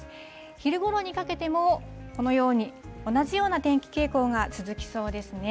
昼ごろにかけても、このように同じような天気傾向が続きそうですね。